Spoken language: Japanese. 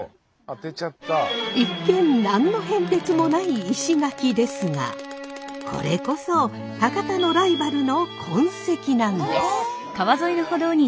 一見何の変哲もない石垣ですがこれこそ博多のライバルの痕跡なんです。